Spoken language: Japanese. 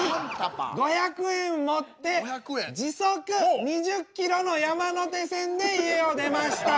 ５００円持って時速２０ｋｍの山手線で家を出ました。